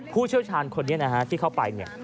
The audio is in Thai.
ผู้เชี่ยวชาญคนนี้นะฮะที่เข้าไปเนี่ย